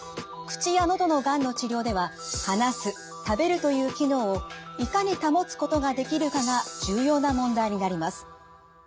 口や喉のがんの治療では「話す」「食べる」という機能をいかに保つことができるかが重要な問題になります。